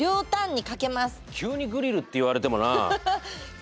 急に「グリル」って言われてもな。